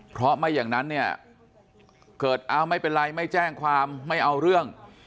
เพราะไม่อย่างนั้นเนี่ยเกิดอ้าวไม่เป็นไรไม่แจ้งความไม่เอาเรื่อง